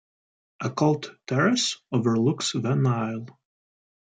A cult terrace overlooks the Nile.